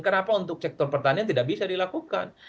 kenapa untuk sektor pertanian tidak bisa dilakukan